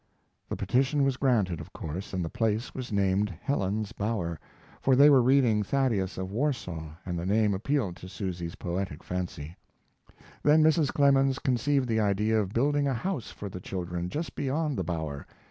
The petition was granted, of course, and the place was named Helen's Bower, for they were reading Thaddeus of Warsaw and the name appealed to Susy's poetic fancy. Then Mrs. Clemens conceived the idea of building a house for the children just beyond the bower.